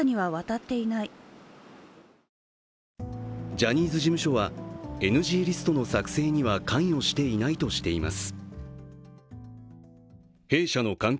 ジャニーズ事務所はＮＧリストの作成には関与していないとしています。